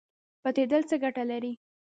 پټیدل څه ګټه لري؟